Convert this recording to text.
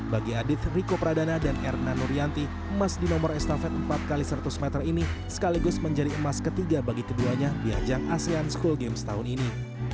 bagi adit riko pradana dan erna nurianti emas di nomor estafet empat x seratus meter ini sekaligus menjadi emas ketiga bagi keduanya di ajang asean school games tahun ini